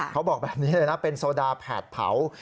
เขาบอกแบบนี้เลยนะเป็นโซดาแผดเผา